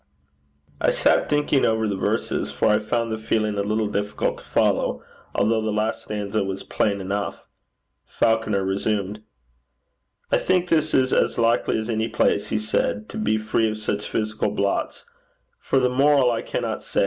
I sat thinking over the verses, for I found the feeling a little difficult to follow, although the last stanza was plain enough. Falconer resumed. 'I think this is as likely as any place,' he said, 'to be free of such physical blots. For the moral I cannot say.